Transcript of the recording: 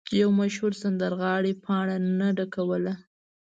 یو مشهور سندرغاړی پاڼه نه ډکوله.